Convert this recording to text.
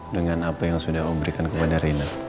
dengan apa yang sudah om berikan kepada reina